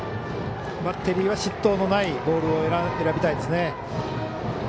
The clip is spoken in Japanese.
バッテリーは失投のないボールを選びたいですね。